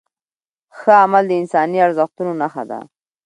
ښه عمل د انساني ارزښتونو نښه ده.